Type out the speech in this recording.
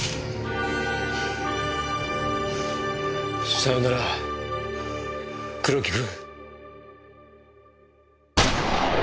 さよなら黒木君。